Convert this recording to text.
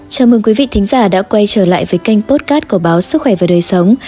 chào mừng quý vị thí giả đã quay trở lại với kênh potcat của báo sức khỏe và đời sống